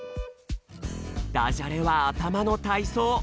ダジャレはあたまの体操。